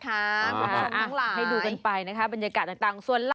คุณผู้ชมทั้งหลายให้ดูกันไปนะคะบรรยากาศต่างส่วนล่ะ